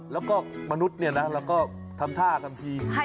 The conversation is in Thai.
แล้วก็มนุษย์เนี่ยนะเราก็ทำท่าทำที